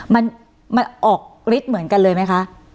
มันออกฤทธิ์เหมือนกันเลยไหมคะ